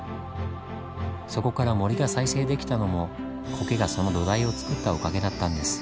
そこから森が再生できたのもコケがその土台をつくったおかげだったんです。